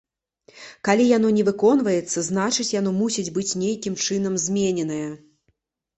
Калі яно не выконваецца, значыць, яно мусіць быць нейкім чынам змененае.